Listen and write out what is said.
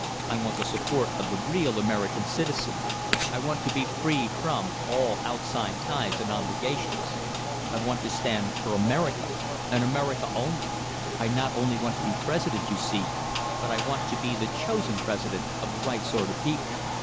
I want the support of the real American citizen. I want to be free from, all outside ties and obligations. I want to stand for America, and America only, I not only want to be President, you see, but I want to be the chosen President of the right sort of people....